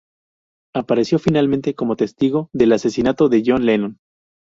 Apareció finalmente como testigo del asesinato de John Lennon.